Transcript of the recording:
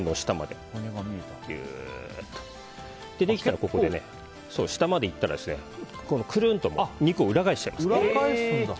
できたらここで、下までいったらくるんと、肉を裏返しちゃいます。